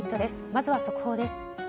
まずは速報です。